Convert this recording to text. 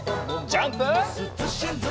ジャンプ！